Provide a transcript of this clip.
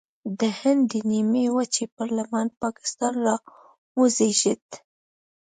د هند د نیمې وچې پر لمن پاکستان راوزېږید.